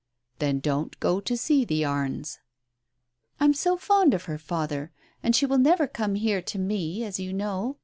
"Then don't go to see the Arnes." "I'm so fond of her, father, and she will never come here to me, as you know.